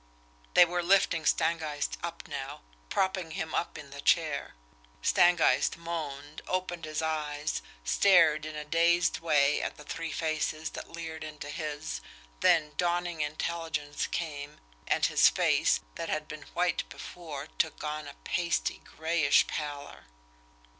They were lifting Stangeist up now, propping him up in the chair. Stangeist moaned, opened his eyes, stared in a dazed way at the three faces that leered into his, then dawning intelligence came, and his face, that had been white before, took on a pasty, grayish pallor.